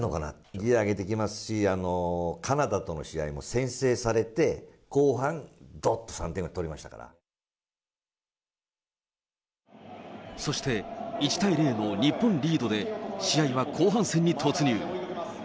ギア上げていきますし、カナダとの試合も先制されて、後半、そして、１対０の日本リードで試合は後半戦に突入。